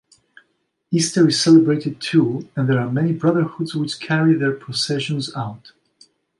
Easter is celebrated too and there are many brotherhoods which carry their processions out.